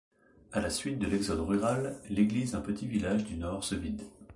À la suite de l'exode rural, l'église d'un petit village du Nord se vide.